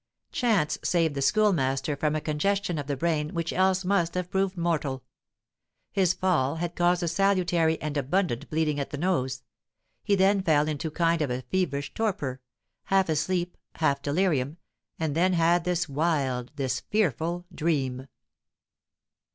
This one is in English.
Chance saved the Schoolmaster from a congestion of the brain which else must have proved mortal. His fall had caused a salutary and abundant bleeding at the nose. He then fell into kind of a feverish torpor half sleep, half delirium, and then had this wild, this fearful dream!